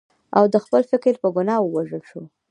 او د خپل فکر په ګناه ووژل شو.